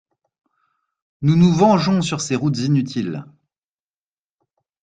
Nous nous vengeons sur ces routes inutiles.